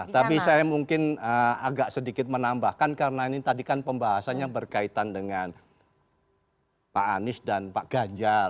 tapi saya mungkin agak sedikit menambahkan karena ini tadi kan pembahasannya berkaitan dengan pak anies dan pak ganjar